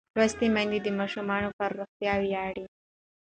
لوستې میندې د ماشوم پر روغتیا ویاړي.